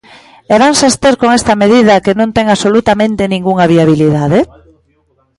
¿E vanse abster con esta medida que non ten absolutamente ningunha viabilidade?